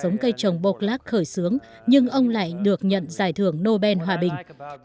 cuộc cách mạng xanh trong thế kỷ hai mươi do nhà tạo giống cây trồng bô lác khởi xướng nhưng ông lại được nhận giải thưởng nobel hòa bình